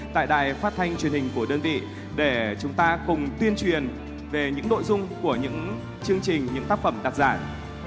tại đài phát thanh truyền hình của đơn vị để chúng ta cùng tuyên truyền về những nội dung của những chương trình những tác phẩm đặt giải